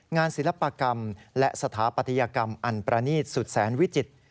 ศิลปกรรมและสถาปัตยกรรมอันประนีตสุดแสนวิจิตร